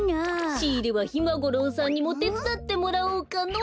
しいれはひまごろうさんにもてつだってもらおうかの。